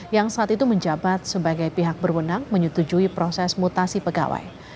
yang saat itu menjabat sebagai pihak berwenang menyetujui proses mutasi pegawai